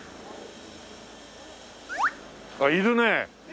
あっいるねえ。